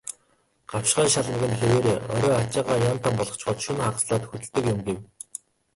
"Гавшгай шалмаг нь хэвээрээ, орой ачаагаа ян тан болгочхоод шөнө хагаслаад хөдөлдөг юм" гэв.